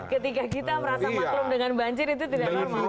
ketika kita merasa maklum dengan banjir itu tidak normal